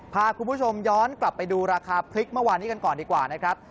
พาคุณผู้ชมย้อนกลับไปดูราคาพริกเมื่อวานนี้กันก่อนดีกว่านะครับ